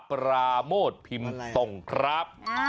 ปราโมทพิมพ์ตรงครับ